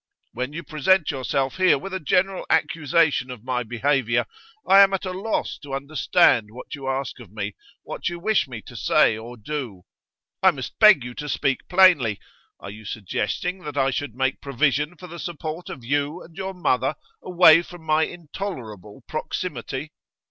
When you present yourself here with a general accusation of my behaviour, I am at a loss to understand what you ask of me, what you wish me to say or do. I must beg you to speak plainly. Are you suggesting that I should make provision for the support of you and your mother away from my intolerable proximity?